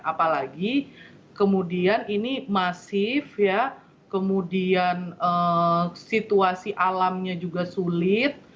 apalagi kemudian ini masif ya kemudian situasi alamnya juga sulit